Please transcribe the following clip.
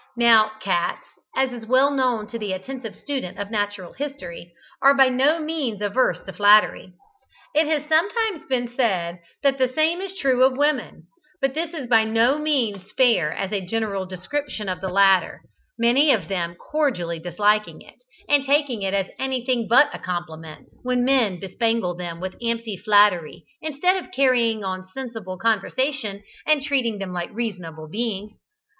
Now cats, as is well known to the attentive student of natural history, are by no means averse to flattery. It has sometimes been said that the same is true of women, but this is by no means fair as a general description of the latter, many of them cordially disliking it, and taking it as anything but a compliment when men bespangle them with empty flattery, instead of carrying on sensible conversation, and treating them like reasonable beings.